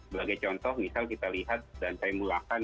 sebagai contoh misal kita lihat dan saya mulakan